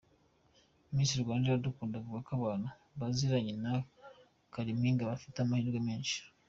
Miss Rwanda Iradukunda avuga ko abantu baziranye na Kalimpinya bafite amahirwe menshi.